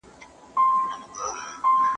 تاسي چيري سواست چي پرون مو حال ونه ویلی؟